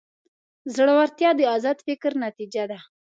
زړورتیا د ازاد فکر نتیجه ده.